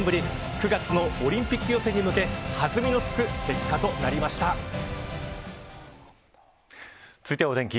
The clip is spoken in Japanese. ９月のオリンピック予選に向け続いてはお天気。